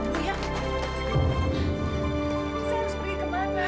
saya harus pergi kemana